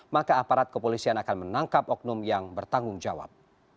maka aparat kepolisian akan menangkap oknum yang bertanggung jawab